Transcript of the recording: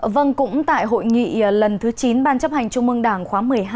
vâng cũng tại hội nghị lần thứ chín ban chấp hành trung mương đảng khóa một mươi hai